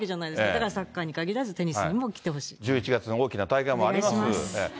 だからサッカーに限らず、１１月の大きな大会もありまお願いします。